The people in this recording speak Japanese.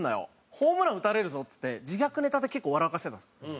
ホームラン打たれるぞ」っつって自虐ネタで結構笑かしてたんですよ。